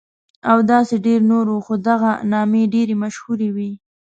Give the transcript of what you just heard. او داسې ډېر نور وو، خو دغه نامې ډېرې مشهورې وې.